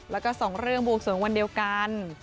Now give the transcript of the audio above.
แล้วก็สองเรื่องบวงสวงวันเดียวกัน